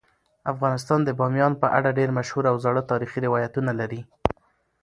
افغانستان د بامیان په اړه ډیر مشهور او زاړه تاریخی روایتونه لري.